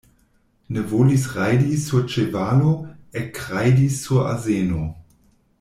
Ne volis rajdi sur ĉevalo, ekrajdis sur azeno.